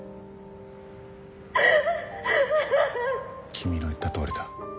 君の言ったとおりだ。